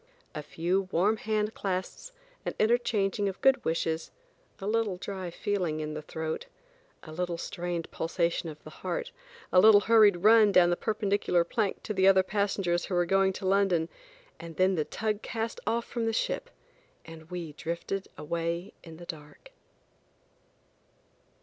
A few warm hand clasps, and interchanging of good wishes, a little dry feeling in the throat, a little strained pulsation of the heart, a little hurried run down the perpendicular plank to the other passengers who were going to London, and then the tug cast off from the ship, and we drifted away in the dark.